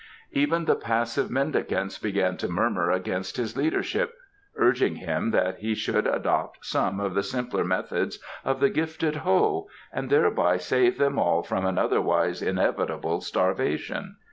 Even the passive mendicants began to murmur against his leadership, urging him that he should adopt some of the simpler methods of the gifted Ho and thereby save them all from an otherwise inevitable starvation.